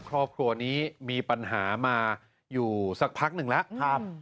ครอบครัวนี้มีปัญหามาอยู่สักพักหนึ่งแล้ว